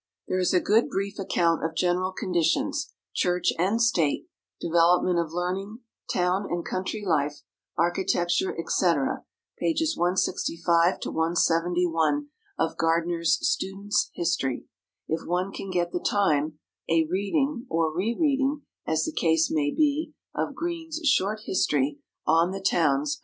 There is a good brief account of general conditions Church and State, development of learning, town and country life, architecture, etc., pp. 165 171 of Gardiner's "Student's History." If one can get the time, a reading, or re reading, as the case may be, of Green's "Short History" on the towns, pp.